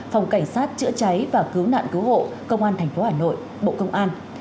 phòng cảnh sát chữa cháy và cứu nạn cứu hộ công an tp hà nội bộ công an